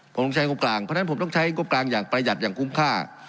ผมต้องใช้งบกลางเพราะฉะนั้นผมต้องใช้งบกลางอย่างประหยัดอย่างคุ้มค่า